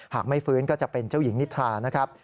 หากไม่ฟื้นก็จะเป็นเจ้าหญิงนิทรานะครับ